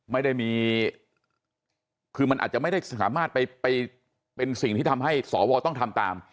ไม่ได้มีคือมันอาจจะไม่ได้สามารถไปเป็นสิ่งที่ทำให้สวต้องทำตาม